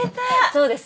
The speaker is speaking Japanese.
そうです。